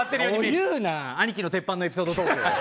言うな！、兄貴の鉄板のエピソードトーク。